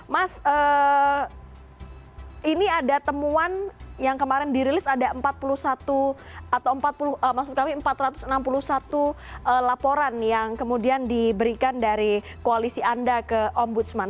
mas ini ada temuan yang kemarin dirilis ada empat ratus enam puluh satu laporan yang kemudian diberikan dari koalisi anda ke ombudsman